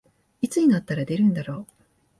いつになったら出るんだろう